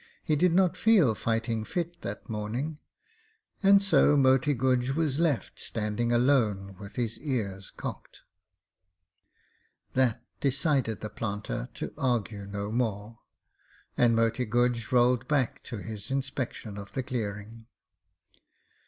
He did not feel fighting fit that morning, and so Moti Guj was left standing alone with his ears cocked. That decided the planter to argue no more, and Moti Guj rolled back to his inspection of the clearing.